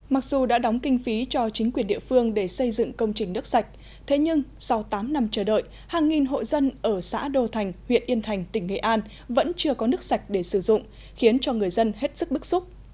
mặc dù đã đóng kinh phí cho chính quyền địa phương để xây dựng công trình nước sạch thế nhưng sau tám năm chờ đợi hàng nghìn hộ dân ở xã đô thành huyện yên thành tỉnh nghệ an vẫn chưa có nước sạch để sử dụng khiến cho người dân hết sức bức xúc